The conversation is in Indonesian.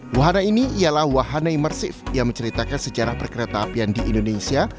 wahana ini ialah wahana imersif yang menceritakan sejarah perkereta apian di indonesia